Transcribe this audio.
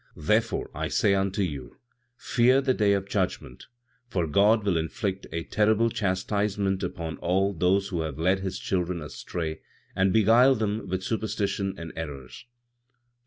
20. "Therefore, I say unto you; Fear the day of judgment, for God will inflict a terrible chastisement upon all those who have led His children astray and beguiled them with superstitions and errors; 21.